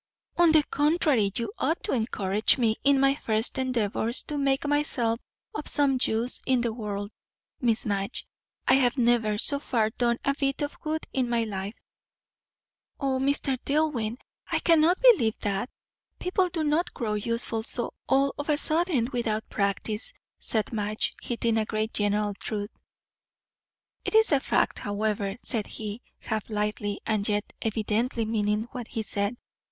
"On the contrary, you ought to encourage me in my first endeavours to make myself of some use in the world. Miss Madge, I have never, so far, done a bit of good in my life." "O, Mr. Dillwyn! I cannot believe that. People do not grow useful so all of a sudden, without practice," said Madge, hitting a great general truth. "It is a fact, however," said he, half lightly, and yet evidently meaning what he said.